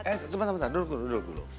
eh sebentar sebentar duduk dulu duduk dulu